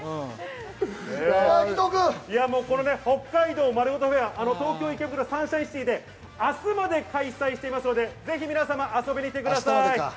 北海道まるごとフェア、東京・池袋サンシャインシティで、明日まで開催していますので、ぜひ皆様遊びに来てください。